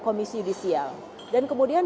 komisi yudisial dan kemudian